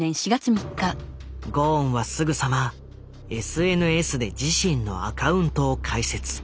ゴーンはすぐさまＳＮＳで自身のアカウントを開設。